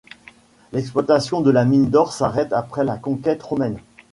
L’exploitation de la mine d'or s’arrête après la conquête romaine.